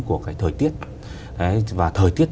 của thời tiết